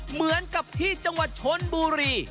เหมือนกับที่จังหวัดชนบุรี